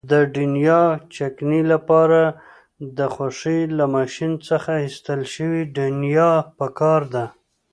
د دڼیا چکنۍ لپاره د غوښې له ماشین څخه ایستل شوې دڼیا پکار ده.